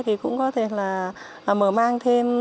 thì cũng có thể là mở mang thêm